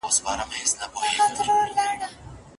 د ميرمنو تر منځ د وخت مساوي وېشل څه حکم لري؟